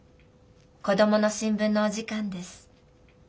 「コドモの新聞」のお時間です。